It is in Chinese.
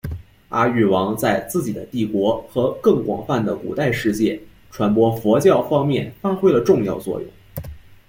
阿育王在自己的帝国和更广泛的古代世界传播佛教方面发挥了重要作用。